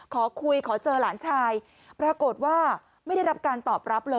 ขอคุยขอเจอหลานชายปรากฏว่าไม่ได้รับการตอบรับเลย